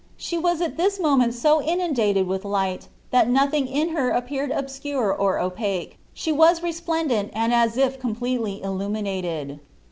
She was at this moment so inundated with light that nothing in her appeared obscure or opaque ; she was resplendent and as if completely illuminated.